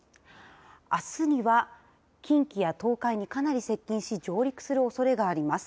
あすには近畿や東海にかなり接近し上陸するおそれがあります。